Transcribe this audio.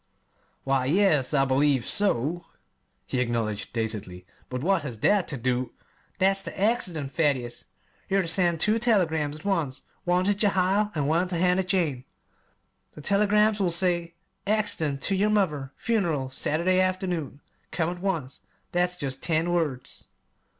"Why yes I believe so," he acknowledged dazedly; "but what has that to do " "That's the 'accident,' Thaddeus. You're ter send two telegrams at once one ter Jehiel, an' one ter Hannah Jane. The telegrams will say: 'Accident to your mother. Funeral Saturday afternoon. Come at once.' That's jest ten words."